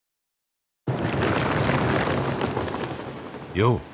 よう！